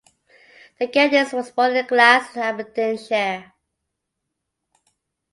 Geddes was born in Glass, Aberdeenshire.